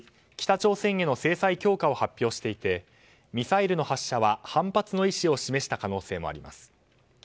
北朝鮮への制裁強化を発表していて、ミサイルの発射は反発の意思を示した可能性もあります。